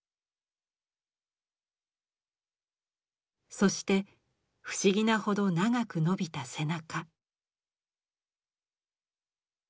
そして不思議なほど長く伸びた背中。